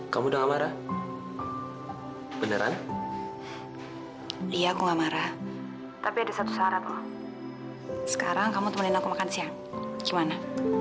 kamu pikir apa aku gak punya perasaan kayak gitu